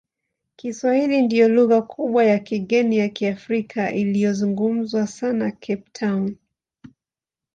Kiswahili ndiyo lugha kubwa ya kigeni ya Kiafrika inayozungumzwa sana Cape Town.